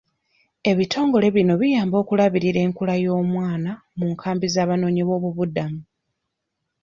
Ebitongole bino biyamba okulabirira enkula y'omwana mu nkaambi z'abanoonyi b'obubuddamu.